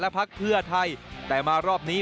พักเพื่อไทยแต่มารอบนี้